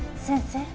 先生？